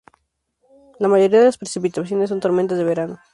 La mayoría de las precipitaciones son tormentas de verano.